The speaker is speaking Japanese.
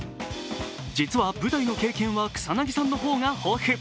実は舞台の経験は草なぎさんの方が豊富。